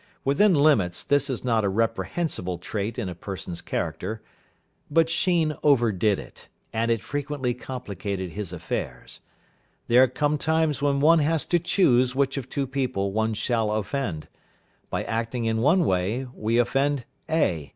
Within limits this is not a reprehensible trait in a person's character, but Sheen overdid it, and it frequently complicated his affairs. There come times when one has to choose which of two people one shall offend. By acting in one way, we offend A.